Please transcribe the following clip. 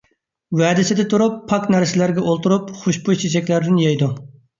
ۋەدىسىدە تۇرۇپ، پاك نەرسىلەرگە ئولتۇرۇپ، خۇشبۇي چېچەكلەردىن يەيدۇ.